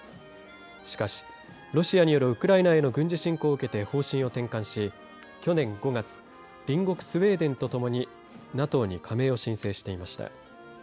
しかし、ロシアによるウクライナへの軍事侵攻を受けて方針を転換し去年５月隣国スウェーデンと共にＮＡＴＯに加盟を申請していました。